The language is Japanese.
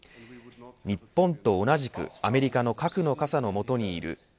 日本と同じくアメリカの核の傘の下にいるＮＡＴＯ